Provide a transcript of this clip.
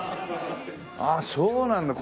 ああそうなんだ